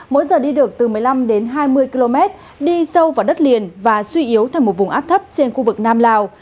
mỗi giờ đi được từ một mươi năm đến hai mươi km đi sâu vào đất liền và suy yếu thành một vùng áp thấp trên khu vực nam lào